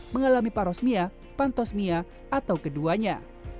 mengalami parosmia pantosmia atau keduanya